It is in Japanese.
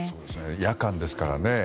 夜間ですからね